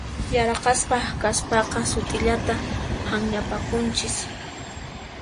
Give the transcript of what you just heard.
Yaraqasqa kaspaqa sut'illata hanllapakunchis.